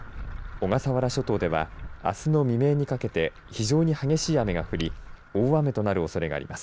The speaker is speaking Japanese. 小笠原諸島ではあすの未明にかけて非常に激しい雨が降り大雨となるおそれがあります。